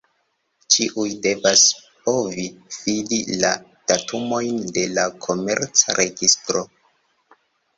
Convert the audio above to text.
Ĉiuj devas povi fidi la datumojn de la Komerca registro.